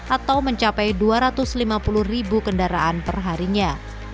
atau mencapai dua ratus lima puluh ribu kendaraan perharinya